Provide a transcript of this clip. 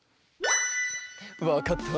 わかった？